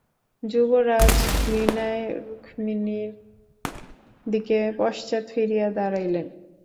যুবরাজ ঘৃণায় রুক্মিণীর দিকে পশ্চাৎ ফিরিয়া দাঁড়াইলেন।